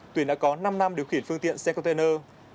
tuyền đã có năm năm điều khiển phương tiện xe container